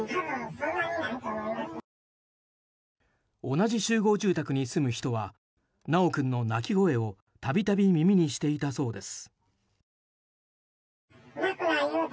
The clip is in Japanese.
同じ集合住宅に住む人は修君の泣き声を度々、耳にしていたそうです。